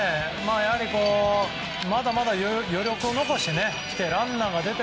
まだまだ余力を残してきてランナーが出て